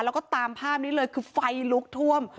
แล้วก็ตามภาพนี้เลยคือไฟลุกท่วม